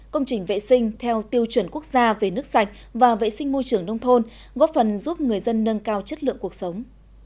công trình vệ sinh theo tiêu chuẩn quốc gia về nước sạch và vệ sinh môi trường nông thôn góp phần giúp người dân nâng cao chất lượng cuộc sống